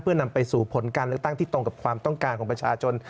เพื่อนำไปสู่ผลการเลือกตั้งที่ตรงกับความต้องการของประชาชน